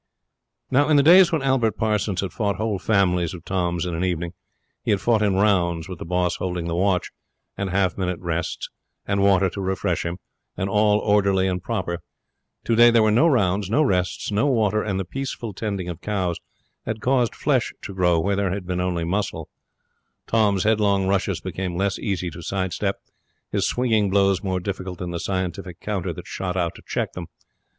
Now, in the days when Albert Parsons had fought whole families of Toms in an evening, he had fought in rounds, with the boss holding the watch, and half minute rests, and water to refresh him, and all orderly and proper. Today there were no rounds, no rests, no water, and the peaceful tending of cows had caused flesh to grow where there had been only muscle. Tom's headlong rushes became less easy to side step, his swinging blows more difficult than the scientific counter that shot out to check them.